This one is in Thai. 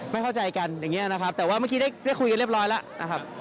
ไม่เข้าใจกันอย่างนี้นะครับแต่ว่าเมื่อกี้ได้คุยกันเรียบร้อยแล้วนะครับ